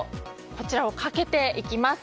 こちらをかけていきます。